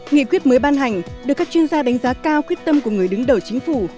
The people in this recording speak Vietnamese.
nghị quyết mới ban hành được các chuyên gia đánh giá cao quyết tâm của người đứng đầu chính phủ